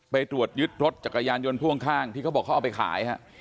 ไปตรวจยึดรถจักรยานยนต์พ่วงข้างที่เขาบอกเขาเอาไปขายฮะ